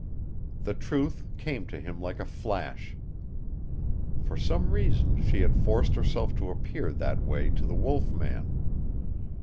The truth came to him like a flash. For some reason she had forced herself to appear that way to the wolf man.